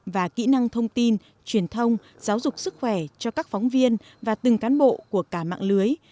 và kỹ năng thông tin truyền thông giáo dục sức khỏe cho các phóng viên và từng cán bộ của cả mạng lưới